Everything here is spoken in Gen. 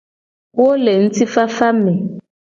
Wo le ngtifafa me.